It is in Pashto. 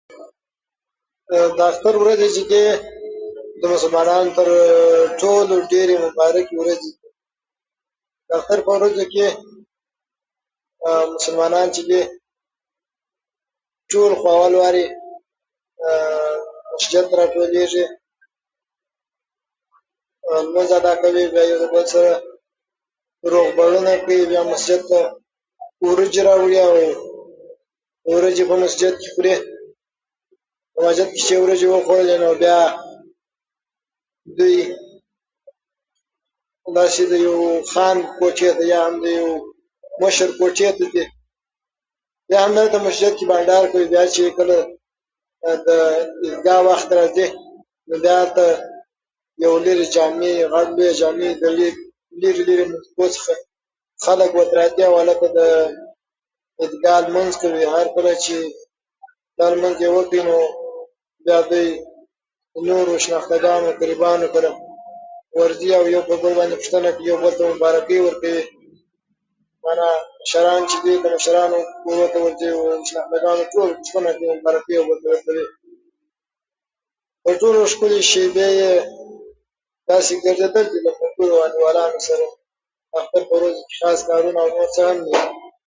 د اختر ورځې چې دي، د مسلمانانو تر ټولو ډېرې مبارکې ورځې دي. د اختر په ورځو کې مسلمانان چې دي، ټول اول وارې مسجد ته راټولېږي، لمونځ ادا کوي، بیا د یو بل سره روغبړونه کوي. بیا مسجد ته وریجې راوړي، وریجې په مسجد کې خوري. مسجد کې یې چې وریجې وخوړلې، بیا دوی خان کوټې ته، مشر کوټې ته ځي. بیا همالته مسجد کې بنډار کوي. بیا چې کله د [unintelligible] وخت راځي، بیا یو لیرې لوی جامع، یو لیرې جامع [unintelligible] خلک ورته راځي، او هلته د عیدګاه لمونځ کوي. هر کله چې اختر لمونځ یې وکړ، نو بیا دوی نورو شناخته ګانو، قریبانو کره ورځي، او یو بل باندې پوښتنه کوي، یو بل ته مبارکۍ ورکوي. بالا کشران چې دي، مشرانو کورو ته ورځي، او شناخته ګان [unintelligible] مبارکۍ یو بل ته ورکوي. او تر ټولو ښکلې شېبې یې [unintelligible] اندیوالانو سره اختر په ورځ کې [unintelligible]